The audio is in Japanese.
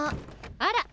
あら。